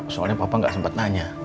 soalnya papa gak sempet nanya